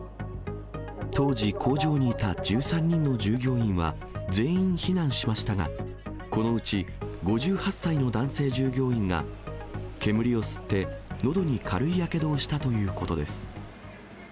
当時、工場にいた１３人の従業員は全員避難しましたが、このうち５８歳の男性従業員が、煙を吸って、のどに軽いやけどをしたということです。